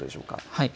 はい。